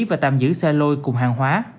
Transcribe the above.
và tạm giữ xe lôi cùng hàng hóa